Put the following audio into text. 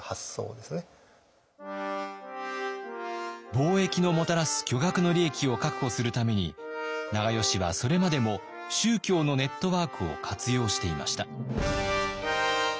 貿易のもたらす巨額の利益を確保するために長慶はそれまでも宗教のネットワークを活用していました。